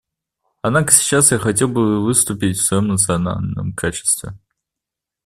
Однако сейчас я хотел бы выступить в своем национальном качестве.